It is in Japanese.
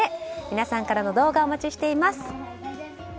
皆さんからの動画お待ちしています。